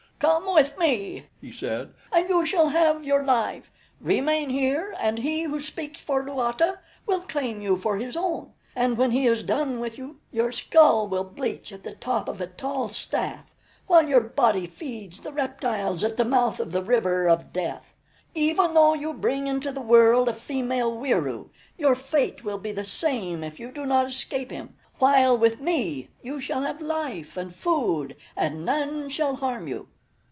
"Come with me," he said, "and you shall have your life; remain here and He Who Speaks for Luata will claim you for his own; and when he is done with you, your skull will bleach at the top of a tall staff while your body feeds the reptiles at the mouth of the River of Death. Even though you bring into the world a female Wieroo, your fate will be the same if you do not escape him, while with me you shall have life and food and none shall harm you."